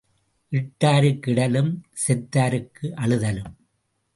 இட்டாருக்கு இடலும், செத்தாருக்கு அழுதலும்.